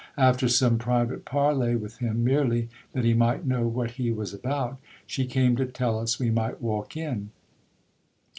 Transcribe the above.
After some private parley with him, merely that he might know what he was about, she came to tell us we might walk in.